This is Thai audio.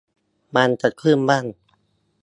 มันจะขึ้นบ้าง